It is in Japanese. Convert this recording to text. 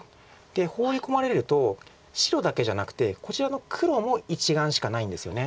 でホウリ込まれると白だけじゃなくてこちらの黒も１眼しかないんですよね。